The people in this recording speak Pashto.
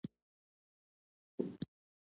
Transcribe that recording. ورسره تر غاړې ووتم.